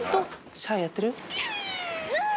シャーやってる？